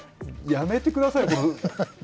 やめてください。